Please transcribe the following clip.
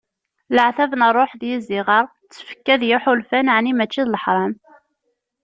Leɛtab n ṛṛuḥ d yiziɣer, d tfekka d yiḥulfan aɛni mačči d leḥram?